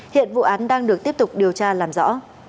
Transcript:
hiện vụ án đang được tiếp tục điều tra làm rõ